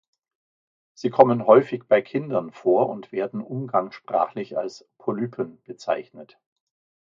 Sie kommen häufig bei Kindern vor und werden umgangssprachlich als „Polypen“ bezeichnet.